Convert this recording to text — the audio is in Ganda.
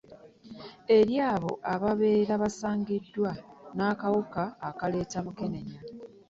Eri abo ababeera basangiddwa n'akawuka akaleeta Mukenenya